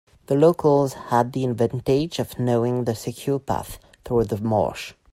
The locals had the advantage of knowing the secure path through the marsh.